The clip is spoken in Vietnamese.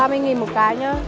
ba mươi nghìn một cái nhá